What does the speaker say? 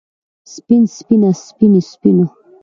سپين سپينه سپينې سپينو